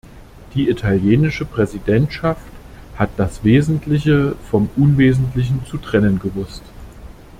Die italienische Präsidentschaft hat das Wesentliche vom Unwesentlichen zu trennen gewusst.